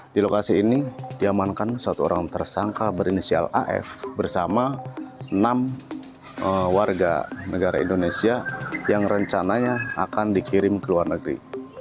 di lokasi ini diamankan satu orang tersangka berinisial af bersama enam warga negara indonesia yang rencananya akan dikirim ke luar negeri